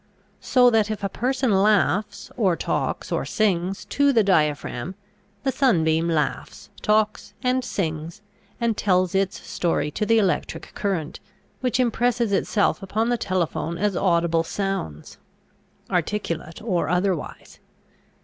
So that if a person laughs or talks or sings to the diaphragm, the sunbeam laughs, talks and sings and tells its story to the electric current, which impresses itself upon the telephone as audible sounds articulate or otherwise.